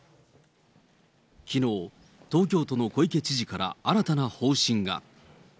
きのう、東京都の小池知事から新たな方針が。